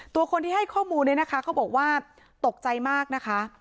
ตัวคนที่ให้ข้อมูลเนี่ยนะคะเขาบอกว่าตกใจมากนะคะ